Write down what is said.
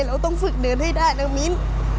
เราต้องฝึกเนื้อได้นะมิ้น